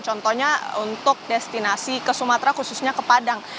contohnya untuk destinasi ke sumatera khususnya ke padang